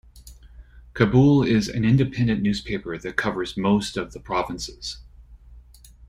Kabul is an independent newspaper that covers most of the provinces.